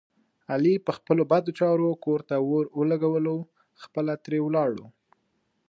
علي په خپلو بدو چارو کور ته اور ولږولو خپله ترې ولاړو.